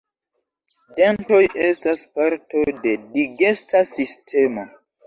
Dentoj estas parto de digesta sistemo.